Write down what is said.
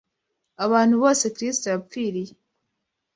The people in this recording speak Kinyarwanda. abantu bose Kristo yapfiriye